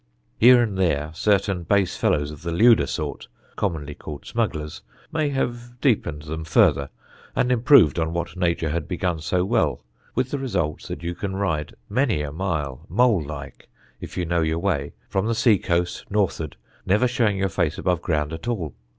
Here and there certain base fellows of the lewder sort, commonly called smugglers, may have deepened them further, and improved on what Nature had begun so well, with the result that you can ride many a mile, mole like, if you know your way, from the sea coast north'ard, never showing your face above ground at all.